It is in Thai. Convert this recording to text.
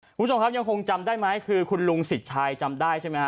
คุณผู้ชมครับยังคงจำได้ไหมคือคุณลุงสิทธิ์ชัยจำได้ใช่ไหมฮะ